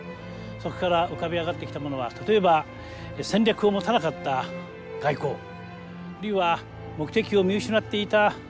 そこから浮かび上がってきたものは例えば戦略を持たなかった外交あるいは目的を見失っていた陸軍の組織。